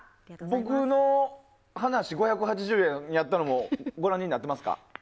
僕の話、５８０円やったのもご覧になっていますか。